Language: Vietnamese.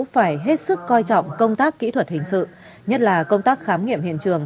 phải hết sức coi trọng công tác kỹ thuật hình sự nhất là công tác khám nghiệm hiện trường